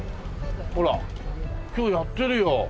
ほら今日やってるよ。